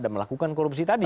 dan melakukan korupsi tadi